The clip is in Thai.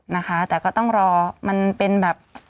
นะคะแต่ก็ต้องรอมันเป็นแบบ